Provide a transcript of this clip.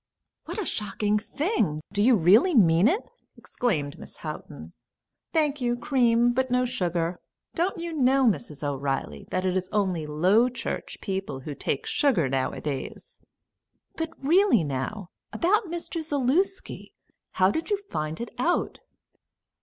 "What a shocking thing! Do you really mean it?" exclaimed Miss Houghton. "Thank you, cream but no sugar; don't you know, Mrs. O'Reilly, that it is only Low Church people who take sugar nowadays? But, really, now, about Mr. Zaluski? How did you find it out?"